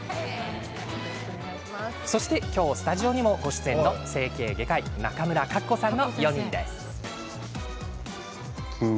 そして今日スタジオにもご出演の整形外科医、中村格子さん。